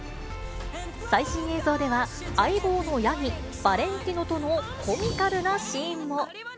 最新映像では、相棒のヤギ、バレンティノとのコミカルなシーンも。